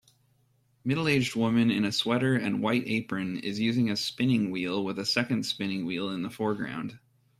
Middleaged woman in a sweater and white apron is using a spinning wheel with a second spinning wheel in the foreground